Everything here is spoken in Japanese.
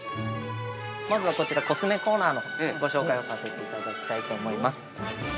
◆まずは、こちらコスメコーナーのご紹介をさせていただきたいと思います。